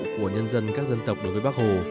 của nhân dân các dân tộc đối với bác hồ